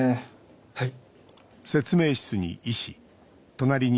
はい。